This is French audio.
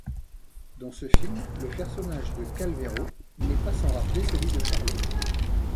Dans ce film, le personnage de Calvero n'est pas sans rappeler celui de Charlot.